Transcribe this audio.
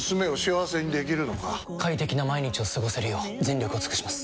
快適な毎日を過ごせるよう全力を尽くします！